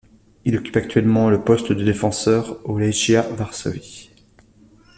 Il occupe actuellement le poste de défenseur au Legia Varsovie.